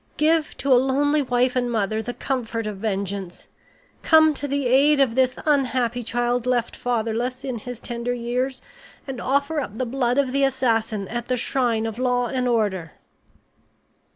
Give to a lonely wife and mother the comfort of vengeance! Come to the aid of this unhappy child left fatherless in his tender years, and offer up the blood of the assassin at the shrine of law and order."